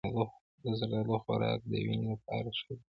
د زردالو خوراک د وینې لپاره ښه دی.